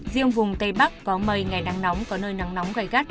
riêng vùng tây bắc có mây ngày nắng nóng có nơi nắng nóng gai gắt